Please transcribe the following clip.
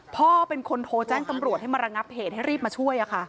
พ่อเป็นคนโทรแจ้งตำรวจให้มาระงับเหตุให้รีบมาช่วย